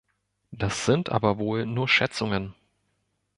Das sind aber wohl nur Schätzungen.